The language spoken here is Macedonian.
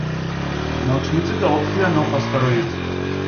Научниците открија нов астероид.